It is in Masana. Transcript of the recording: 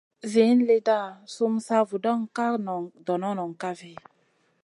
Zin lida sum sa vuŋa ka dono kafi ?